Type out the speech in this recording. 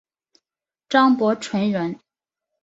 张伯淳人。